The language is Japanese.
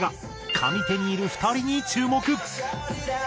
上手にいる２人に注目。